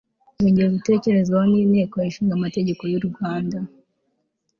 yongeye gutekerezwaho n'inteko ishinga amategeko y'u rwanda